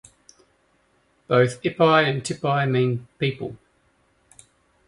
Both "Ipai" and "Tipai" mean "people.